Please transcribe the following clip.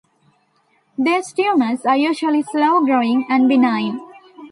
These tumors are usually slow growing and benign.